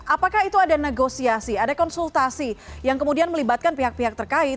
apakah itu ada negosiasi ada konsultasi yang kemudian melibatkan pihak pihak terkait